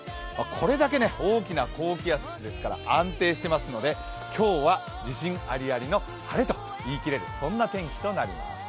これだけ大きな高気圧ですから安定していますので今日は自信ありありの晴れと言い切れる、そんな天気となります